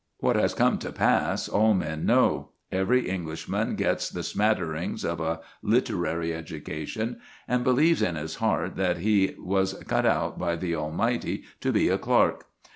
What has come to pass all men know. Every Englishman gets the smatterings of a literary education, and believes in his heart that he was cut out by the Almighty to be a clerk.